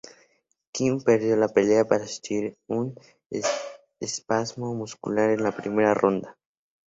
Kim perdió la pelea por sufrir un espasmo muscular en la primera ronda.